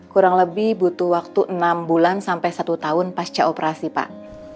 kurang lebih butuh waktu enam bulan sampai satu tahun pasca operasi pak